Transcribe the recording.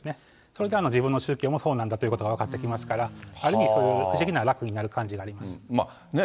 それで自分の宗教もそうなんだということが分かってきますから、ある意味、不思議な、楽になる感じがあります。